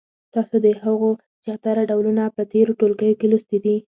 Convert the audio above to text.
تاسو د هغو زیاتره ډولونه په تېرو ټولګیو کې لوستي دي.